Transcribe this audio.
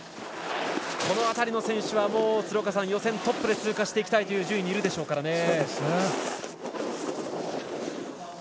この辺りの選手は、予選トップで通過していきたいという順位にいるでしょうから。